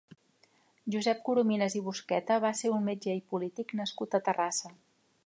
Josep Corominas i Busqueta va ser un metge i polític nascut a Terrassa.